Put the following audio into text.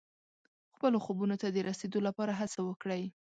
خپلو خوبونو ته د رسېدو لپاره هڅه وکړئ.